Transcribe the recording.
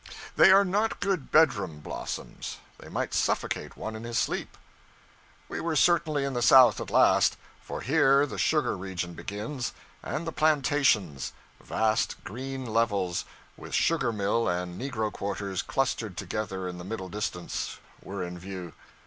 They are not good bedroom blossoms they might suffocate one in his sleep. We were certainly in the South at last; for here the sugar region begins, and the plantations vast green levels, with sugar mill and negro quarters clustered together in the middle distance were in view.